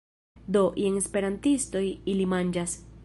Do, jen esperantistoj... ili manĝas...